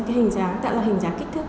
cái hình dáng tạo ra hình dáng kích thước